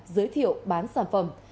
giới thiệu bán sản phẩm